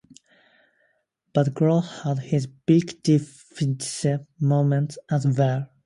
Badgro had his big defensive moments as well.